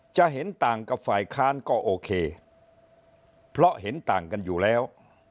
จะเห็นต่างกับฝ่ายค้านก็โอเคเพราะเห็นต่างกันอยู่แล้ว